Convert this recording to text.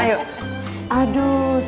aduh sebentar dulu